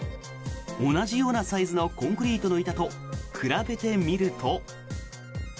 同じようなサイズのコンクリートの板と比べてみると。